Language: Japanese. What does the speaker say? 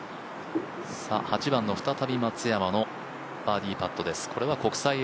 ８番の再び、松山のバーディーパットです。